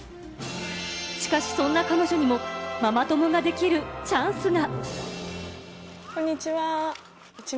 しかし、そんな彼女にもママ友ができるチャンスが。